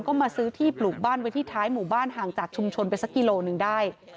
ก็มาซื้อที่ปลูกบ้านไว้ที่ท้ายหมู่บ้านห่างจากชุมชนไปสักกิโลหนึ่งได้